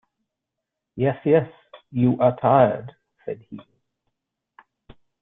"Yes, yes, you are tired," said he.